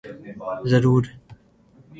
ضرور۔